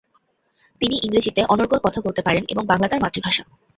তিনি ইংরেজিতে অনর্গল কথা বলতে পারেন এবং বাংলা তার মাতৃভাষা।